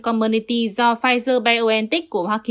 của bộ y tế do pfizer biontech của hoa kỳ